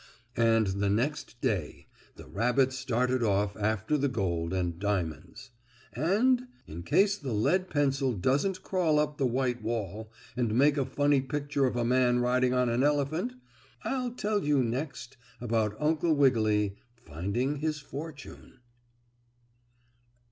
And the next day the rabbit started off after the gold and diamonds. And, in case the lead pencil doesn't crawl up the white wall and make a funny picture of a man riding on an elephant, I'll tell you next about Uncle Wiggily finding his fortune.